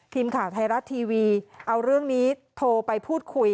ทีมข่าวไทยรัฐทีวีเอาเรื่องนี้โทรไปพูดคุย